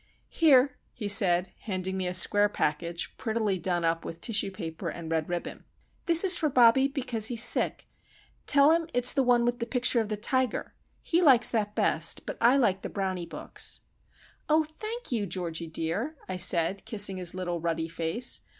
"Here," he said, handing me a square package, prettily done up with tissue paper and red ribbon. "This is for Bobbie, because he is sick. Tell him it's the one with the picture of the tiger. He likes that best, but I like the Brownie Books." "Oh, thank you, Georgie dear," I said, kissing his little ruddy face.